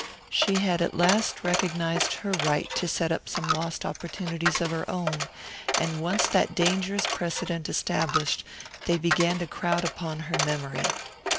She had at last recognized her right to set up some lost opportunities of her own; and once that dangerous precedent established, they began to crowd upon her memory.